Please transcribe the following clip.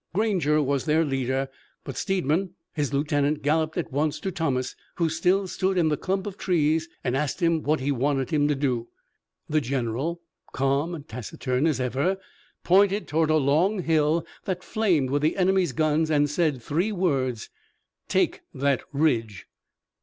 Granger was their leader, but Steedman, his lieutenant, galloped at once to Thomas, who still stood in the clump of trees, and asked him what he wanted him to do. The general, calm and taciturn as ever, pointed toward a long hill that flamed with the enemy's guns, and said three words: "Take that ridge!"